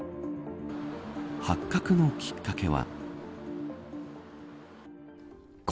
発覚のきっかけは。